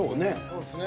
そうっすね。